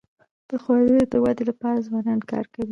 د ښوونځیو د ودی لپاره ځوانان کار کوي.